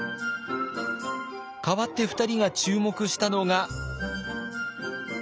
代わって２人が注目したのが。